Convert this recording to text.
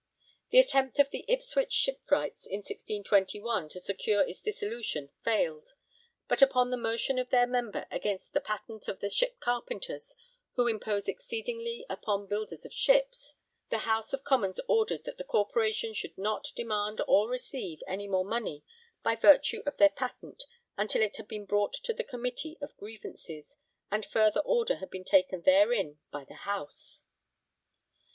The attempt of the Ipswich Shipwrights in 1621 to secure its dissolution failed, but upon the motion of their member against the 'Patent of the Ship carpenters who impose exceedingly upon builders of ships,' the House of Commons ordered that the Corporation should not demand or receive any more money by virtue of their patent until it had been brought to the Committee of Grievances and further order been taken therein by the House.